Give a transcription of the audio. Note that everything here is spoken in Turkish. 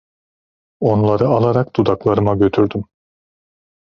Onları alarak dudaklarıma götürdüm.